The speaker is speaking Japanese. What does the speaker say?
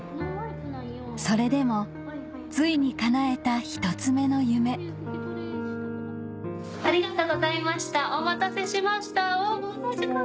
それでもついにかなえた１つ目の夢ありがとうございました。